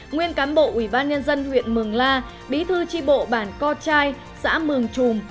nguyên cán bộ ủy ban nhân dân huyện mường la bí thư tri bộ bản co trai xã mường trùm